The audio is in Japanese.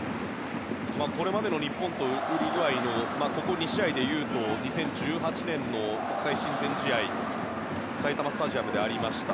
これまでの日本とウルグアイのここ２試合でいうと２０１８年の国際親善試合が埼玉スタジアムでありました。